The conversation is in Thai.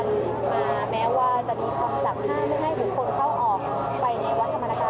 ที่ไม่อนุญาตให้หลุดคนในใดค่ะเข้าไปด้านในข๕และข๖ค่ะ